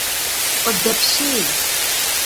Къыдэпщей!